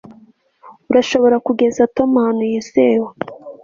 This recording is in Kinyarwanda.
urashobora kugeza tom ahantu hizewe